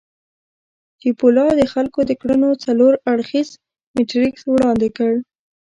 چیپولا د خلکو د کړنو څلور اړخييز میټریکس وړاندې کړ.